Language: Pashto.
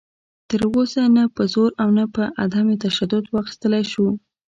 تر اوسه نه په زور او نه په عدم تشدد واخیستلی شو